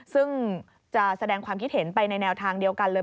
ซึ่งจะแสดงความคิดเห็นไปในแนวทางเดียวกันเลย